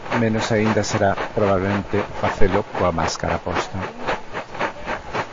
Menos aínda será, probablemente, facelo coa máscara posta.